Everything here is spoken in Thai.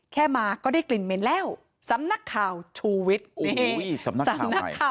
แค่มาก็ได้กลิ่นเม้นแล้วสำนักข่าวชูวิทย์